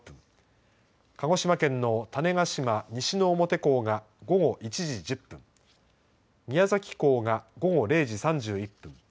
鹿児島県の種子島・西之表港が午後１時１０分宮崎港が午後０時３１分